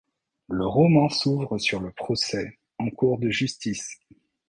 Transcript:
Le roman s'ouvre sur le procès en cour de justice.